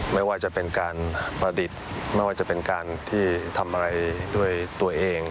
ไม่ว่าจะเป็นการประดิษฐ์ไม่ว่าจะเป็นการที่ทำอะไรด้วยตัวเอง